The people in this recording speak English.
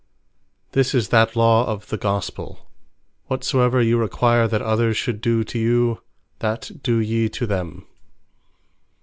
This is that Law of the Gospell; "Whatsoever you require that others should do to you, that do ye to them."